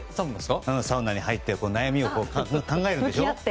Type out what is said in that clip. サウナに入って悩みを考えるでしょ。